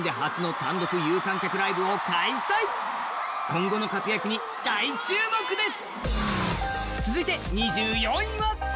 今後の活躍に大注目です。